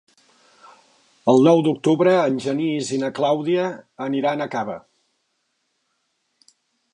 El nou d'octubre en Genís i na Clàudia aniran a Cava.